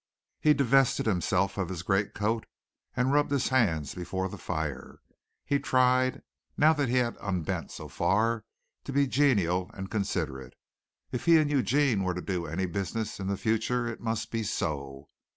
He divested himself of his great coat and rubbed his hands before the fire. He tried, now that he had unbent so far, to be genial and considerate. If he and Eugene were to do any business in the future it must be so.